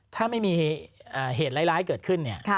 ถ้าไม่มีเหตุร้ายเกิดขึ้นเนี่ย